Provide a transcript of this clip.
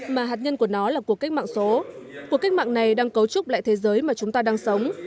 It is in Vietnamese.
mà hạt nhân của nó là cuộc cách mạng số cuộc cách mạng này đang cấu trúc lại thế giới mà chúng ta đang sống